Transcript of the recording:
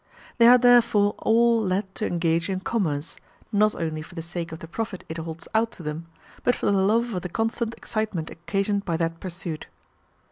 They are therefore all led to engage in commerce, not only for the sake of the profit it holds out to them, but for the love of the constant excitement occasioned by that pursuit.